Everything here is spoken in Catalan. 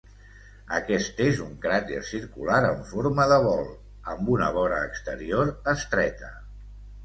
Aquest és un cràter circular en forma de bol, amb una vora exterior estreta.